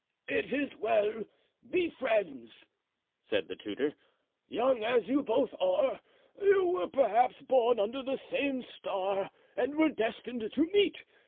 "It is well; be friends," said the tutor; "young as you both are, you were perhaps born under the same star and were destined to meet.